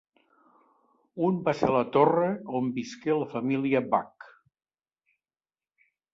Un va ser La Torre, on visqué la família Bac.